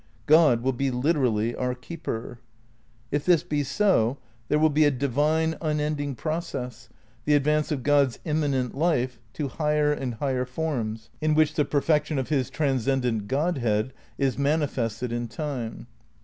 God will be literally our keeper. If this be so, there will be a divine, unending process, the advance of God's immanent life to higher and higher forms, in which the perfection of his transcend ent Godhead is manifested in Time.